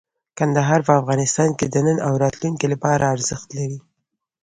کندهار په افغانستان کې د نن او راتلونکي لپاره ارزښت لري.